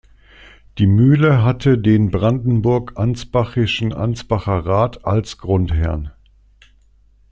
Die Mühle hatte den brandenburg-ansbachischen Ansbacher Rat als Grundherrn.